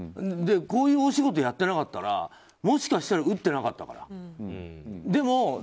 こういうお仕事をやっていなかったらもしかしたら打ってなかったから。